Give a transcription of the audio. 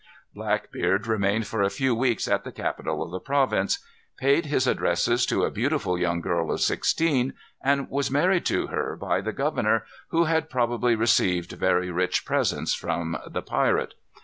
Blackbeard remained for a few weeks at the capital of the province; paid his addresses to a beautiful young girl of sixteen, and was married to her by the governor, who had probably received very rich presents from the pirate.